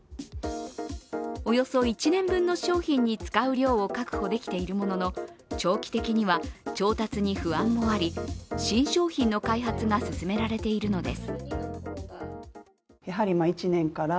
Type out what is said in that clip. およそ１年分の商品に使う量を確保できているものの長期的には調達に不安もあり新商品の開発が進められているのです。